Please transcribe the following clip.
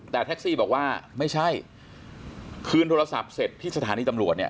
แต่แท็กซี่บอกว่าไม่ใช่คืนโทรศัพท์เสร็จที่สถานีตำรวจเนี่ย